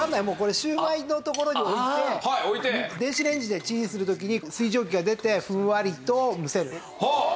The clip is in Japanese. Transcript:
シューマイの所に置いて電子レンジでチンする時に水蒸気が出てふんわりと蒸せる。